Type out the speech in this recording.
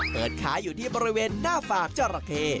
เปิดขายอยู่ที่บริเวณหน้าฝากจราเข